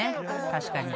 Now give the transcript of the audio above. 確かに。